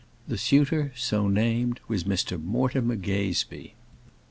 The suitor, so named, was Mr Mortimer Gazebee.